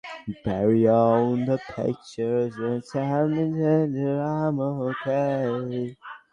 তুমি না আসলেও পারতে।